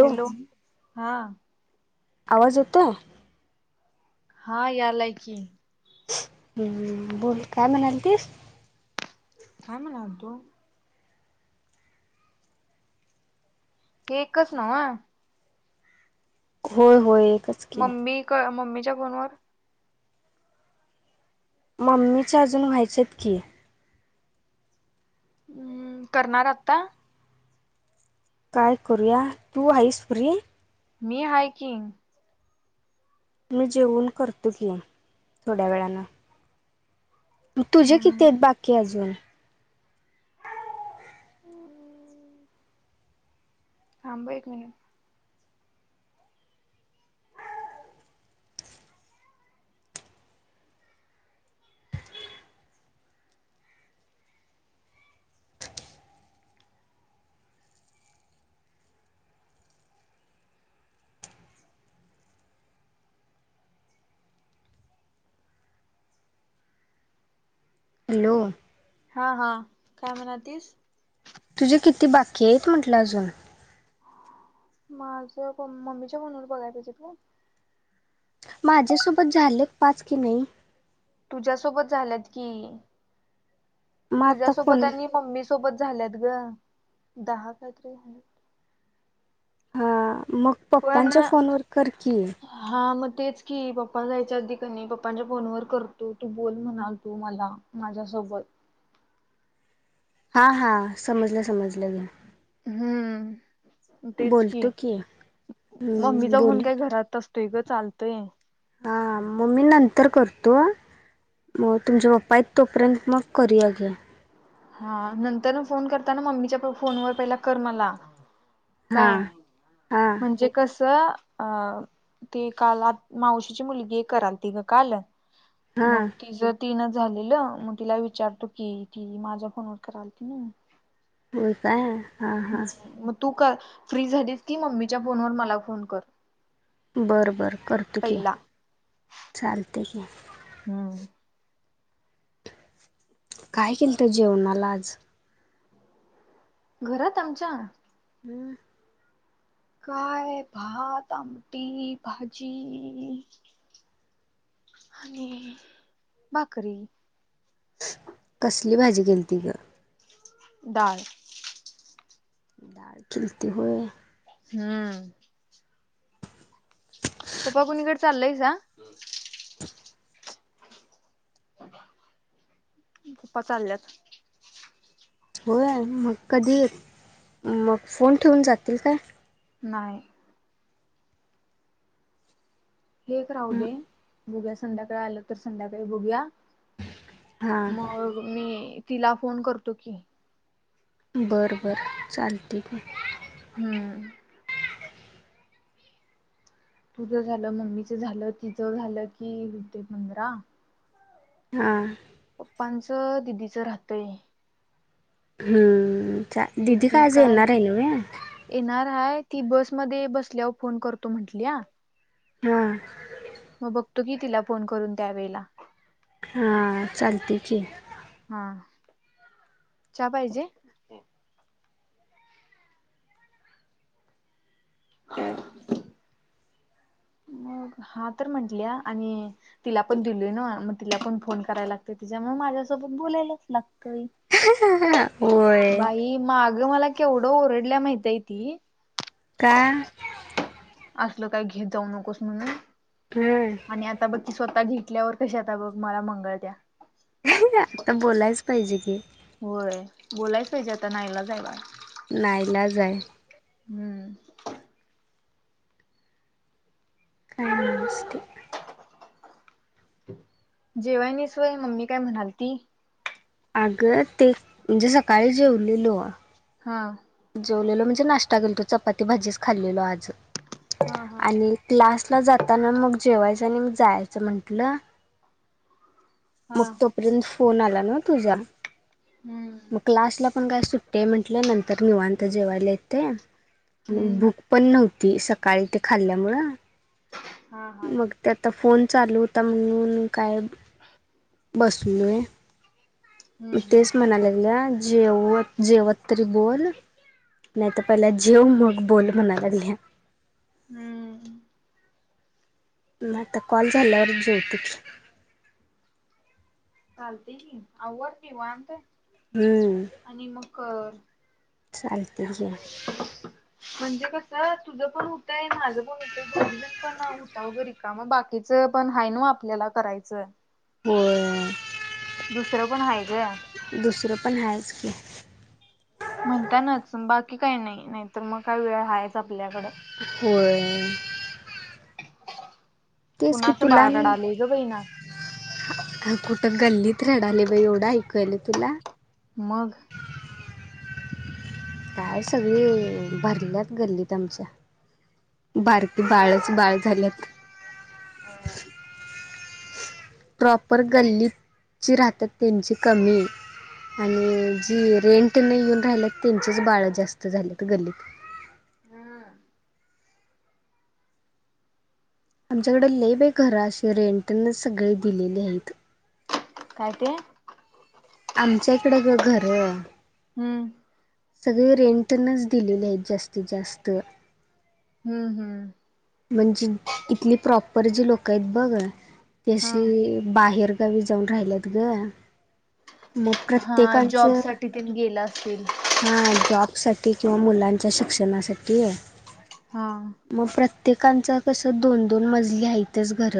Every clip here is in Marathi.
हॅलो. हा. आवाज येतोय. हा यालाय कि. हम्म. बोल काय म्हणाल तीस? काय म्हणाल तो? केकच नव? होय. होय. एकच की मम्मी मम्मी जगणवर [unintelligible] मम्मीचे अजून व्हायचेत की. हम्म करणार आता? काय करूया तू आईस फ्रि? मी हायकी, मी जेवन करतो की, थोड्या वेळानं. तुझे किती हम्म आहेत बाकी अजून? हो. थांब एक मिनिट. हॅलो. हा हा काय म्हणा तिस? तुझे किती बाकी आहेत म्हटलं अजून? माझं मम्मीच्या फोनवर बघाय पाहिजे ग? माझ्यासोबत झाले पाच की नाही? तुझ्यासोबत झाल्यात कि. मग आता कोण तुझ्यासोबत आणि मम्मी सोबत झाल्यात ग दहा काहीतरी झाल्या. हा. मग पप्पांच्या फोनवर करकी. हा मग तेच की पप्पा जायच्या अगदी कमी पप्पांच्या फोनवर करतो तू बोल म्हणाल तू मला माझ्यासोबत. हा हा समजलं समजलं गे. हम्म. तेच की हम्म मम्मीचा बोल फोन काही घरात. त ग चालतंय हा मग मी नंतर करतो मग तुमच्या पप्पा आहेत तोपर्यंत मग करूया की हा नंतर फोन करताना मम्मीच्या फोन व पहिला कर मला काय हां हां म्हणजे कस अ ते काल आ मावशीची मुलगी एक करालती ग काल हां मग ति ज तिन झालेलं मग तिला विचारतो की त माझ फोनवर कराआलती ना हो काय हा हा हम्म मग तू कर फ्री झालीस की मम्मीच्या फोनवर मला फोन कर बरं बर करतो की पहिला चालते. ह हम्म काय केलत जेवणाला आज घरात आमच्या हम्म काय भात आमटी भाजी आणि भाकरी कसली भाजी केली ती ग डाळ डाळ खलते होय [unintelligible] हम्म. पप्पा कुणीकडे चाललंय सा [unintelligible] पप्पा चालल्यात. होय न मग कधी मग फोन ठेवून जातील काय? नाही. ऐक राहू हं, दे. बुघ्या संध्याकाळी आलं तर संध्याकाळी बघुया. हां मग मी. तिला फोन करतो की. बरं बरं चालेल. ते का [unintelligible] हम्म. तुझ झालं मम्मीच झालं तिचं झालं कि होते पंधरा. हा. प्पांचं दिदीचं राहतय. हम्म. दिदी कायच [unintelligible] येलणार आहे न म येणार हाय ती बसमध्ये बसल्यावर फोन करतो म्हटली या हा. मग बघतो की तिला फोन करून त्यावेेळेला. हा चालते की. हा चा पाहिजे. हम [unintelligible] मग हा तर म्हंटल आणि तिला पण दिलय ना म तिला पण फोन करायला लागत तिच्यामुळे माझ्यासोबत बोलायलाच लागतय. होय बाई माग मला केवढ ओरडल्या माहितय ती. का असल काय घेत जाऊ नकोस म्हणून. हम्म. आणि आता बकी स्व आता घेतल्यावर कशी आता बघ मला मंगळ त्या आता बोलायच पाहिजे की होय बोलायच ज आता नायलाज हाय बा नाहीलाज हाय. हम्म. काष्ट जेवायनिस वय मग मी काय म्हणाल ती. अग ते म्हणजे सकाळी जेवलीलो. हा. जेवलेलो म्हणजे नाश्ता केेल तो चपाती ते भाजीच खाल्लेलो आज. हा हा आणि क्लासला जाताना मग जेवाय. जनी मी जायचं म्हंटलं हा मग तोपर्यंत फोन आला ना तुझा हम्म मग् लासला पण काय सुटतेय म्हटलं नंतर तरर म अंतजे वालेेत ते हम्म भूक पण नव्हती ती सकाळी ते खाल्ल्यामुळं हा हा मग त्या आता फोन चालू होता म्हणून काय बसू न आहे हम्म हम्म तेच म्हणालेल्या जेवत जेवत बोल नाहीत पहिले जेव मग बोल म्हनाला वि आहे हम्म मता कॉल झालंवर जवतकी चालते की आवड किवत हम्म आणि मग शांते आहे म्हणजे कसं तुझं पण होतय माझं पण होतंय डजण पण होता वगैरे का मग बाकीच पण आहे ना आपल्याला करायचं होय दुसरं पण हाय ग दुसरं पण हायच. की. म्हणतानाच बाकी काही नाही नाही तर मग काय वेळ हायच. आपल्याकडं होय. [inaudible] तेच की कुणाचं तुला बाळ रडालय ग बहिना कुठ गल्लीत रडालेय बाई एवढं ऐकू यायलय तुला? मग. काय सगळी भरल्यात गल्लीत आमच्या बारकी बाळच बाळ झाल्यात. होय. प्रॉपर गल्लीत जी राहतात त्यांची कमी आणि जी रेंट न येऊन राहिल्यात त्यांचीच बाळ जास्त झाल्यात गल्लीत. हम्म. आमच्याकडे लय बाई घर असे रेंटनेच सगळी दिलेली आहेत. काय ते? आमच्या इकडं ग घर हम्म. सगळे रेंटनच दिलेले आहेत जास्तीत जास्त. हम्म हम्म. म्हणजे इथली प्रॉपर जी लोक आहेत बघ ती हा आशी बाहेर गावी जाऊन राहिलेत ग मग हा प्रत्येकांच जॉब साठी तेन गेला असेल. हा जॉबसाठी किंवा मुलांच्या शिक्षणासाठी हां. प्रत्येकांच कसं दोन दोन मजली आहेतच घर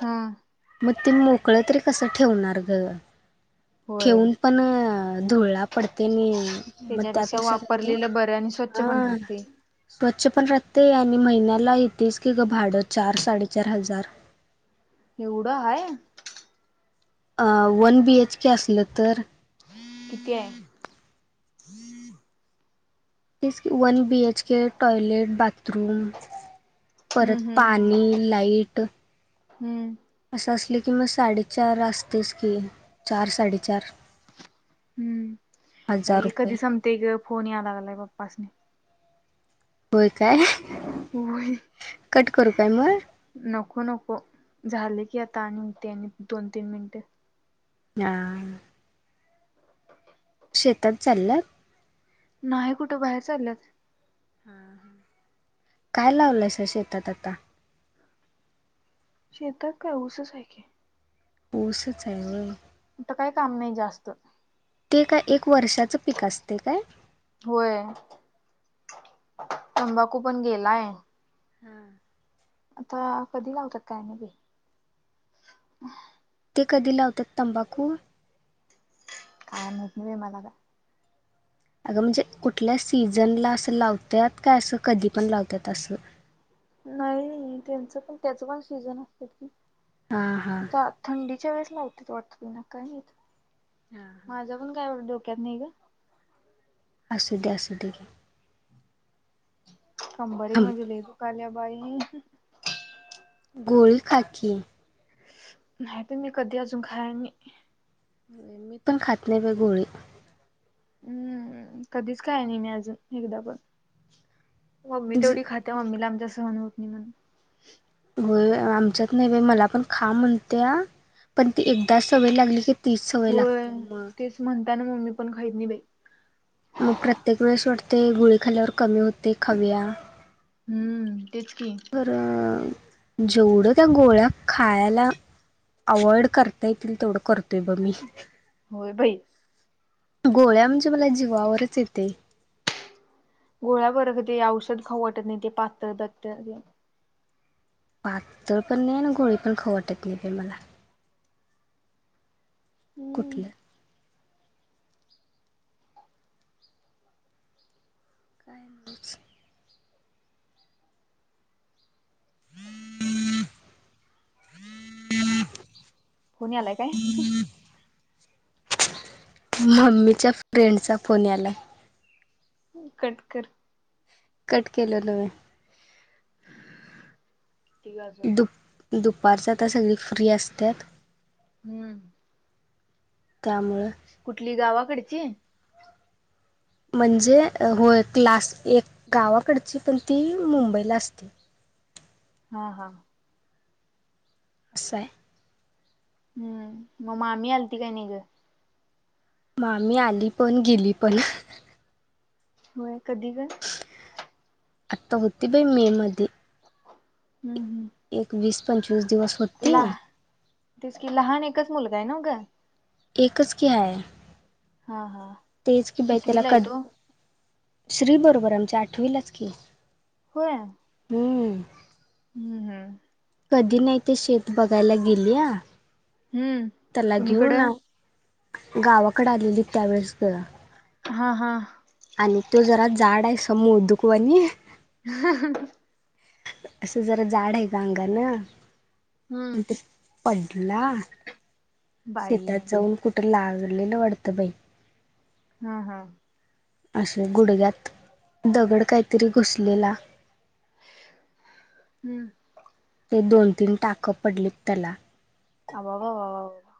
हां. मग ते मोकळ तरी कसं ठेवणार ग होय ठेऊन पण धुरळा पडते नी मग त्याच्यापेक्षा त्यापेक्षा कणी वापरलेलं बरं आणि स्वच्छ पण हा राहते. स्वच्छ पण राहतय आणि महिन्याला येतेच की गं भाडं चार साडेचार हजार एवढं हाय? अ वन बी एच के असलं तर किती आहे? तीस one B H K toilet bathroom, हम्म परत हम्म पाणी, लाईट हम्म. असं असले की मग साडेचार असतेच की चार साडेचार हम्म हजार बाई रुपये कधी संमते फोन याय लागला पप्पासनी. होय काय? होय कट करू काय मग? नको नको झाले. की आता ती आणि दोन तीन मिनिट. हा. शेतात चाललंय नाही कुठं बाहेर चाललंत ह काय लावलंय सर शेतात आता शेतात का उसच आहे की उसच हाय व्हय आता काही काम नाही जास्त ते काय एक खू वर्षाचं पीक असते काय तंबाकू पण गेलाय हम्म. आता कधी लावतात काय नाही बी कधी लावतात तंबाखू काय माहिती नाही मला काय अगं म्हणजे कुठल्या सीझनला असं लावतात काय असं कधी पण लावतात असं नाही त्यांच पण त्याच पण सीजन असत की हा हा आता थंडीच्या वेळेस लावत [unintelligible] हा, माझा पण काय [unintelligible] कणे का असू दे असू दे का कंबरक हं म्हजे ल दुखली बाईनी गळ खाकीी नाही त मी कधी अजून खायनी मी पण खात नाही ब गोळी हम्म कधीच काय नाही मी अजून एकदा पण मम्मी ज तेवढी खाते मम्मीला आमच्या न होत नाही म्हण आमच्यात नाही बा मला पण खा म्हणते पण ती एकदा स वय लागली की तीच सवय होय लागत्या मग तेच म्हणता ना मम्मी पण खात नाही बे [unintelligible] मग प्रत्येक वेळेस वाटते गुळीखाल्यावर कमी होते खविया हम्म तेच की. तर जेवढं त्या गोळ्या खायला अवॉइड करता येतील तेवढं करतोय ब मी होय भाई गोळ्या म्हणजे मला जीवावरच येते गोळ्या बर क ते औषध खाऊ वाटत नाही ते पात्र दत्त पाकतळ पण नाही ना गोळी पण ख वाटत नाही प मला हम्म कुठलं काय नाही ह ह हम फोन आलाय काय मम्मीच्या फ्रेंडचा फोन यालाय कटकर कट केले न् किती ग अजून वारसातता सगळी फ्री असत्यात हम्म त्यामुळं कुठली गावाकडची म्हणजे होय क्लास एक गावाकडची पण ती मुंबईला असते हा हा असं हाय हम्म मग मामी आलती काय निघ मा मी आली पण गेली पण होय कधी काय आता होती बाई मे मध्ये हम्म हम्म एक वीस पंचवीस दिवस होती ला जा न का एकच च की आहे हा हा तेच की बाई त्याला कितवीला क आहे तो? श्री बरोबर आमच्या आठवीलाच की होय हम हम्म हम्म कधी नाही ते शेत बघायला गेलीया हम्म कुणीकडें गावाकडे आलेली त्यावेेळेस ग हा हा तो जरा झाड आहे असा मोदूकवानी ह असं जरा जाड आहे का अंग गलं हम्म आणिंत पडला बाई शेतात जाऊन कुठ लागलेलं वाडत पई हम्म हम्म असे गुडग्यात दगड काहीतरी घुसलेला हम्म ते दोन तीन टाकं पडलीत त्याला अ वा वा वा वा वा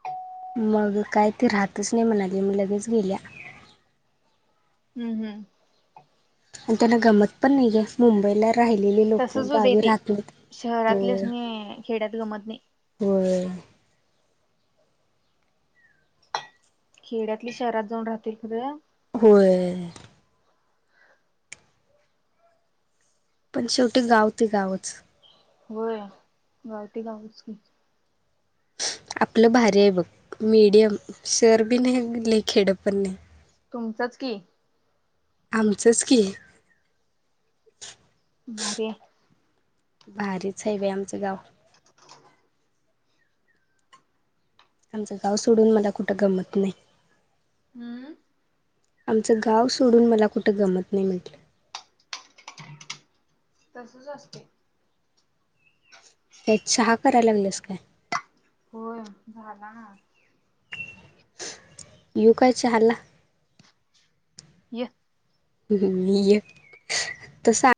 मग काय त राहतच नाही म्हणाली, म लगेच गेल्या. हम्म हम्म. अन त्यांना गमत पण नाही जास्त मुंबईला राहिलेली लोक तसच होतय गावी ते राहत नाहीत शहरातले होय च नी खेड्यात गमत नाही. [inaudible] खेड्यातली शहरात जाऊन राहतय [unintelligible] होय. पण शेवटी गाव ते गावच. होय गाव ते गावच की. आपलं भारी आहे बघ. मीडियम सर्व [unintelligible] खेडपण नाही. तुमचंच की. आमचंच की. भारी य. भारीच हाय बाई आमचं गाव. आमचं गाव सोडून मला कुठं गमत नाही. हम्म. आमचं गाव सोडून मला कुठं गमत नाही म्हटल. तसच असतय. तेच चहा कराया लागलास काय? होय झाला. येऊ काय चाहाला? ये. हम्म ये तस